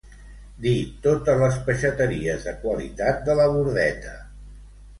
Dir totes les peixateries de qualitat de la Bordeta.